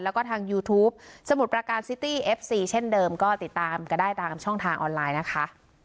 แล้วก็ทางยูทูปสมุทรประการซิตี้เอฟซีเช่นเดิมก็ติดตามก็ได้ตามช่องทางออนไลน์นะคะ